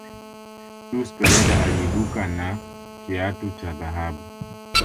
chus pereda aliibuka na kiatu cha dhahabu